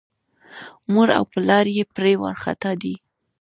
مور او پلار یې پرې وارخطا دي.